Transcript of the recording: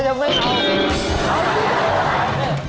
ยังไม่เอา